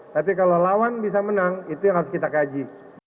tapi kalau lawan bisa menang itu yang harus kita kaji